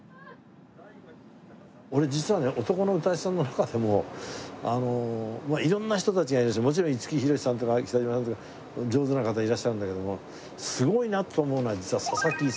俺実はね男の歌い手さんの中でもまあ色んな人たちがいるしもちろん五木ひろしさんとか北島さんとか上手な方いらっしゃるんだけどもすごいなと思うのは実はささきいさおなんだよ。